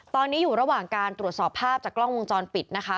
ตอนนี้อยู่ระหว่างการตรวจสอบภาพจากกล้องวงจรปิดนะคะ